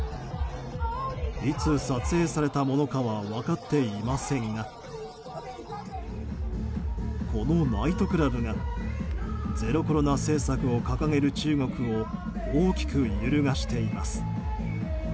いつ撮影されたものかは分かっていませんがこのナイトクラブがゼロコロナ政策を掲げる中国を大きく揺るがしています。